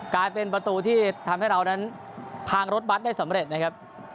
กลายเป็นประตูที่ทำให้เรานั้นทางรถบัตรได้สำเร็จนะครับ